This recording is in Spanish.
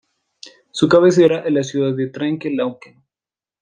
Su cabecera es la ciudad de Trenque Lauquen.